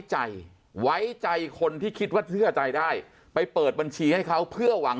ใจไว้ใจคนที่คิดว่าเชื่อใจได้ไปเปิดบัญชีให้เขาเพื่อหวัง